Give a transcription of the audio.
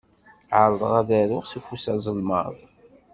Ԑerḍeɣ ad aruɣ s ufus azelmaḍ.